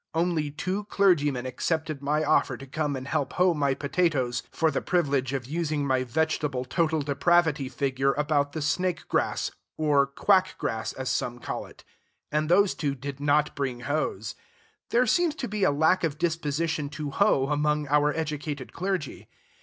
Only two clergymen accepted my offer to come and help hoe my potatoes for the privilege of using my vegetable total depravity figure about the snake grass, or quack grass as some call it; and those two did not bring hoes. There seems to be a lack of disposition to hoe among our educated clergy.